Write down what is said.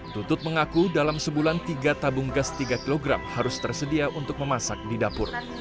tutut mengaku dalam sebulan tiga tabung gas tiga kg harus tersedia untuk memasak di dapur